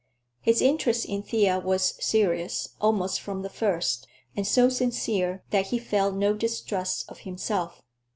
His interest in Thea was serious, almost from the first, and so sincere that he felt no distrust of himself.